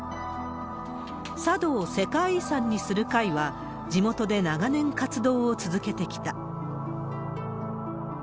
佐渡を世界遺産にする会は、地元で長年活動を続けてきた。